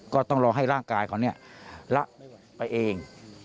ก็ต้องรอให้ร่างกายเขาละไปเอง